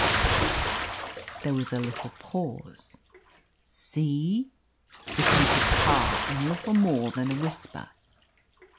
There was a little pause. "See?" repeated Carr, in little more than a whisper.